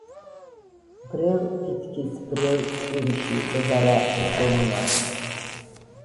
ბრელ ფითქის ბრელ შურიში ებარა ოკონია